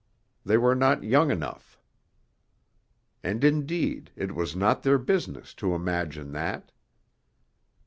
They were not young enough. And, indeed, it was not their business to imagine that....